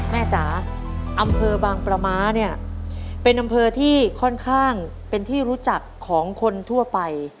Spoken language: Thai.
จ๋าอำเภอบางประม้าเนี่ยเป็นอำเภอที่ค่อนข้างเป็นที่รู้จักของคนทั่วไป